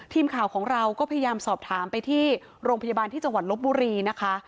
ทีมข่าวของเราก็พยายามสอบถามไปที่โรงพยาบาลที่จังหวัดลบบุรีนะคะ